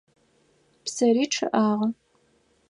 Псыри чъыӏагъэ.